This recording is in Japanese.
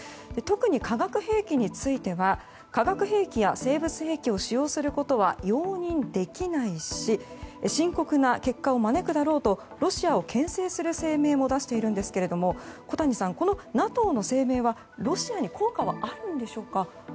特に化学兵器については化学兵器や生物兵器を使用することは容認できないし深刻な結果を招くだろうとロシアを牽制する声明も出しているんですけれども小谷さん、このＮＡＴＯの声明はロシアに効果はあるんでしょうか。